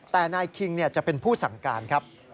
แต่นายคิงจะเป็นผู้สั่งการครับ